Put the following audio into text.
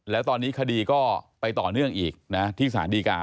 แล้วตอนนี้คดีก็ไปต่อเนื่องอีกนะที่สารดีกา